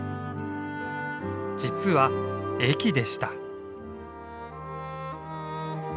実は駅でした。